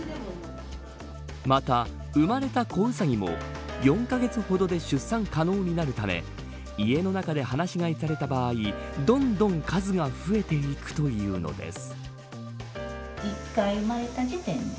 また、生まれた子ウサギも４カ月ほどで出産可能になるため家の中で放し飼いされた場合どんどん数が増えていくというのです。